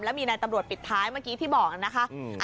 แล้วมีนายตำรวจปิดท้ายเมื่อกี้ที่บอกนะคะ